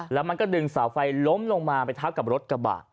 แล้วมันก็ดึงเสาไฟล้มลงมาไปทับกับรถกระบะ